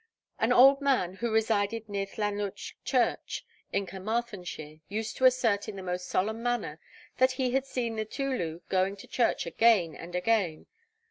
An old man who resided near Llanllwch church, in Carmarthenshire, used to assert in the most solemn manner that he had seen the Teulu going to church again and again.